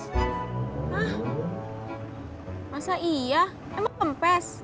hah masa iya emang kempes